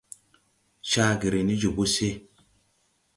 Caa ge ré ne jobo se.